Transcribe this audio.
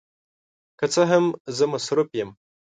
که څه هم، زه مصروف یم.